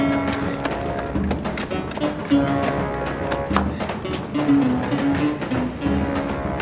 saya tidak bermaksud seperti itu nah